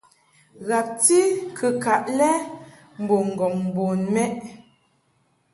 Ghabti kɨkaʼ lɛ mbo ŋgɔŋ bun mɛʼ.